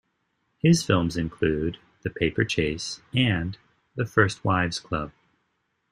His films include "The Paper Chase" and "The First Wives Club".